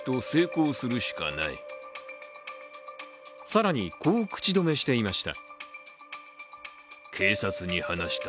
更に、こう口止めしていました。